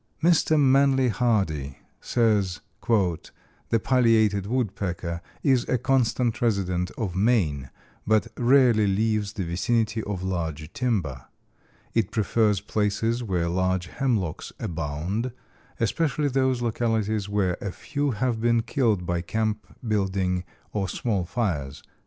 Mr. Manly Hardy says: "The Pileated Woodpecker is a constant resident of Maine, but rarely leaves the vicinity of large timber. It prefers places where large hemlocks abound, especially those localities where a few have been killed by camp building or small fires."